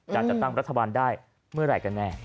จัดตั้งรัฐบาลได้เมื่อไหร่กันแน่